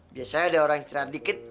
biasanya ada orang istirahat dikit